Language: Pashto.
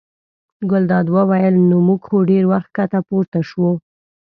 ګلداد وویل: نو موږ خو ډېر وخت ښکته پورته شوو.